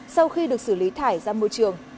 sau khi được xử lý thải ra môi trường